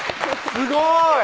すごい！